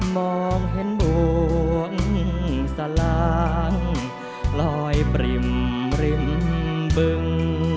มองเห็นบวนสลางลอยปริ่มริมบึง